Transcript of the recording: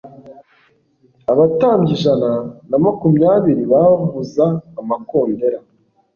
abatambyi ijana na makumyabiri bavuza amakondera